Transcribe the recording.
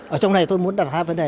ở trong này tôi muốn đặt hai vấn đề